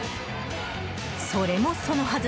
それもそのはず